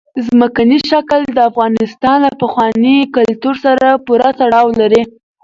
ځمکنی شکل د افغانستان له پخواني کلتور سره پوره تړاو لري.